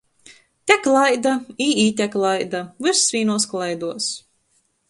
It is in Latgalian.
Te klaida i ite klaida, vyss vīnuos klaiduos.